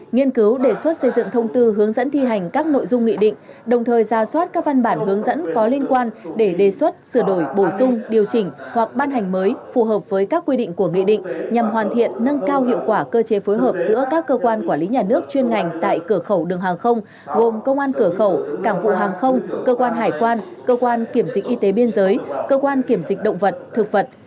nhiên cứu đề xuất xây dựng thông tư hướng dẫn thi hành các nội dung nghị định đồng thời ra soát các văn bản hướng dẫn có liên quan để đề xuất sửa đổi bổ sung điều chỉnh hoặc ban hành mới phù hợp với các quy định của nghị định nhằm hoàn thiện nâng cao hiệu quả cơ chế phối hợp giữa các cơ quan quản lý nhà nước chuyên ngành tại cửa khẩu đường hàng không gồm công an cửa khẩu cảng vụ hàng không cơ quan hải quan cơ quan kiểm dịch y tế biên giới cơ quan kiểm dịch động vật thực vật